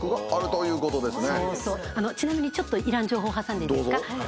ちなみにちょっといらん情報挟んでいいですか。